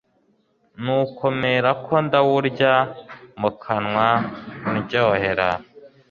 nuko mperako ndawurya mu kanwa undyohera